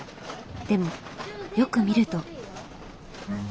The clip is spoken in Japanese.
でもよく見ると。